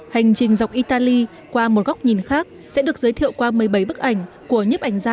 hành trình dọc italy qua một góc nhìn khác sẽ được giới thiệu qua một mươi bảy bức ảnh của nhếp ảnh gia